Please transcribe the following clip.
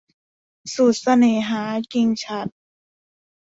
สูตรเสน่หา - กิ่งฉัตร